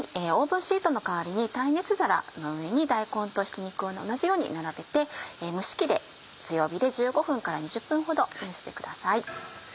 オーブンシートの代わりに耐熱皿の上に大根とひき肉を同じように並べて蒸し器で強火で１５分から２０分ほど蒸してください。